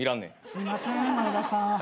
すいません前田さん。